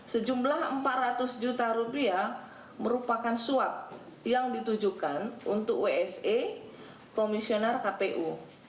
sejumlah rp empat ratus juta rupiah merupakan suap yang ditujukan untuk wse komisioner kpu